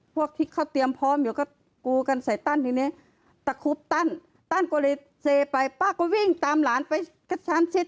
พวกที่เขาเตรียมพร้อมอยู่ก็กูกันใส่ตั้นทีนี้ตั้นก็เลยเซไปป้าก็วิ่งตามหลานไป